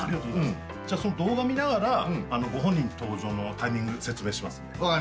その動画見ながらご本人登場のタイミング説明しますんで。